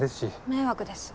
迷惑です。